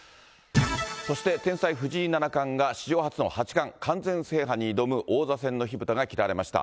そして天才藤井七冠が史上初の八冠完全制覇に挑む王座戦の火ぶたが切られました。